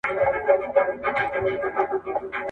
د بې وزلو خلګو معلوم حق زکات دی.